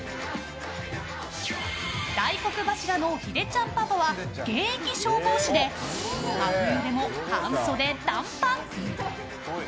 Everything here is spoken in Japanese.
大黒柱のひでちゃんパパは現役消防士で真冬でも半袖短パン！